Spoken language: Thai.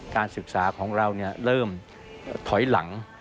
การศึกษาของเราเริ่มถอยหลัง